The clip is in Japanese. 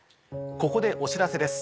ここでお知らせです。